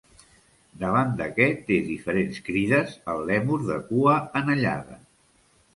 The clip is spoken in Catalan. Davant de què té diferents crides el lèmur de cua anellada?